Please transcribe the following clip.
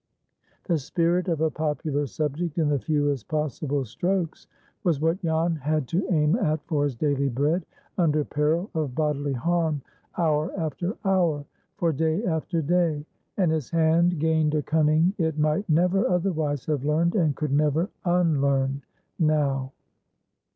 The spirit of a popular subject in the fewest possible strokes was what Jan had to aim at for his daily bread, under peril of bodily harm hour after hour, for day after day, and his hand gained a cunning it might never otherwise have learned, and could never unlearn now.